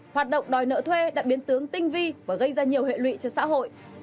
hoạt động đòi nợ thuê đã biến tướng tinh vi và gây ra nhiều hệ lụy cho xã hội